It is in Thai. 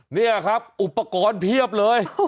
นี่ครับอุปกรณ์เพียบเลย